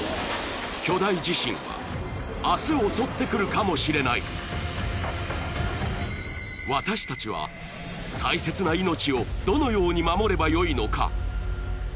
巨大地震はあす襲ってくるかもしれない私達は大切な命をどのように守ればよいのか？